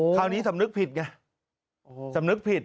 คราวนี้สำนึกผิดไง